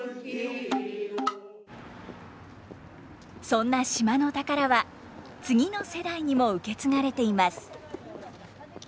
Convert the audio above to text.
そんな島の宝は次の世代にも受け継がれています。